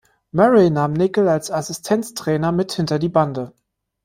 Murray nahm Nickel als Assistenztrainer mit hinter die Bande.